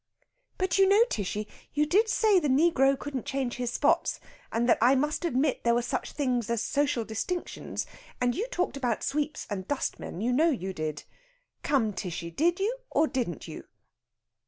"But you know, Tishy, you did say the negro couldn't change his spots, and that I must admit there were such things as social distinctions and you talked about sweeps and dustmen, you know you did. Come, Tishy, did you, or didn't you?"